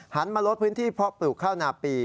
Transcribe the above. มาลดพื้นที่เพาะปลูกข้าวนาปี